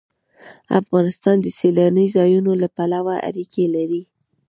افغانستان د سیلاني ځایونو له پلوه اړیکې لري.